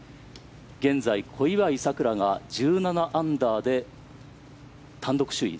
現在、小祝さくらが１７アンダーで単独首位。